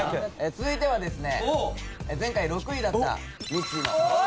続いてはですね前回６位だったみっちーの。